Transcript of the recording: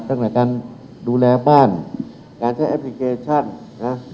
ตั้งแต่การดูแลบ้านการใช้แอปพลิเคชันนะ